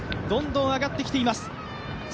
どんどん上がってきています。